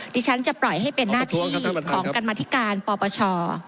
ดิฉันจะปล่อยให้เป็นหน้าที่ของกรรมธิการปปช